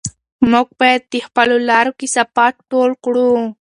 موږ باید د خپلو لارو کثافات ټول کړو.